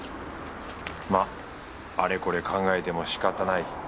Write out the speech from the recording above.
まっあれこれ考えてもしかたない。